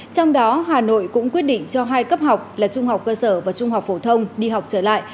trong đó hà nội cũng quyết định cho hai cấp học là trung học cơ sở và trung học phổ thông đi học trở lại